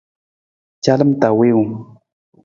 Calam ta wiiwung.